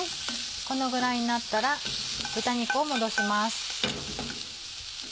このぐらいになったら豚肉を戻します。